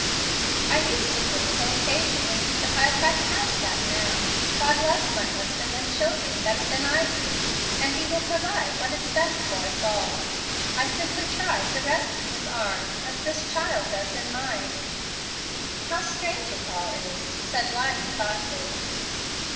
"I used to feel so occasionally, but I have got past that now. God loves my husband and children better than I do, and He will provide what is best for us all. I simply try to rest in His arms as this child does in mine." "How strange it all is!" said Lottie, thoughtfully.